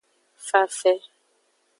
Fafe.